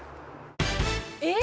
「えっ！？」